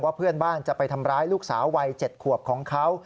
เพื่อนบ้านจะไปทำร้ายลูกสาววัย๗ขวบของเขา